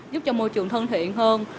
giúp cho môi trường thân thiện hơn